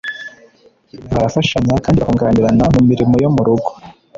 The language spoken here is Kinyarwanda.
Barafashanya kandi bakunganirana mu mirimo yo mu rugo